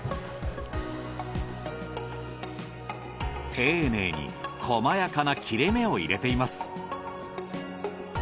丁寧に細やかな切れ目を入れています。